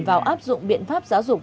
vào áp dụng biện pháp giáo dục